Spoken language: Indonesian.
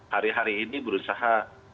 hari hari ini berusaha